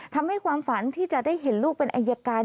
ทำให้ความฝันที่จะได้เห็นลูกเป็นอายการ